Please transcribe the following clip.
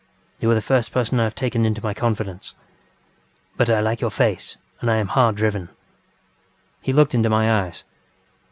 You are the first person I have taken into my confidence. But I like your face and I am hard driven. ŌĆØ He looked into my eyes.